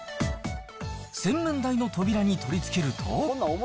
洗面台の扉に取り付けると。